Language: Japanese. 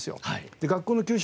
で学校の給食